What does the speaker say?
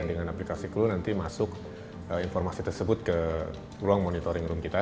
dengan aplikasi clue nanti masuk informasi tersebut ke ruang monitoring room kita